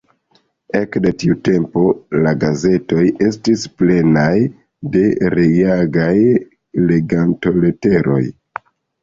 Ekde tiu tempo la gazetoj estis plenaj de reagaj legantoleteroj.